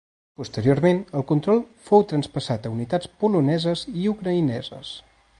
Posteriorment el control fou traspassat a unitats poloneses i ucraïneses.